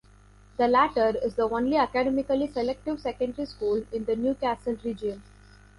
The latter is the only academically selective secondary school in the Newcastle region.